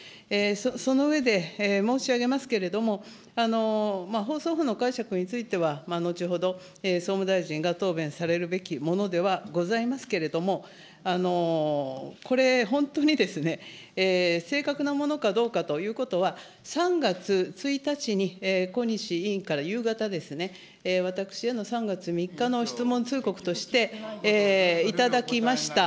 その上で、申し上げますけれども、放送法の解釈については、後ほど総務大臣が答弁されるべきものではございますけれども、これ、本当にですね、正確なものかどうかということは、３月１日に小西委員から夕方ですね、私への３月３日の質問通告として頂きました。